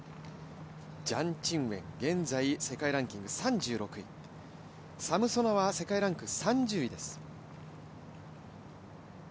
ジャン・チンウェン現在世界ランキング３６位サムソノワは世界ランク３０位です。